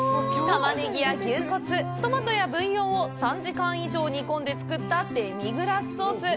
玉ねぎや牛骨、トマトやブイヨンを３時間以上、煮込んで作ったデミグラスソース。